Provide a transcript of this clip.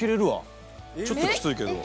ちょっときついけど。